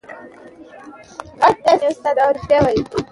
ادب د ذهنونو د روزنې وسیله ده.